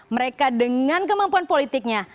mereka dengan kemampuan politiknya